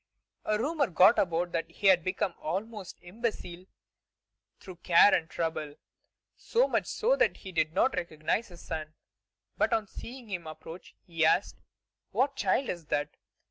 A rumor got about that he had become almost imbecile through care and trouble, so much so that he did not recognize his son, but on seeing him approach, had asked: "What child is that?"